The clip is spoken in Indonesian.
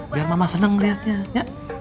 biar mama senang melihatnya ya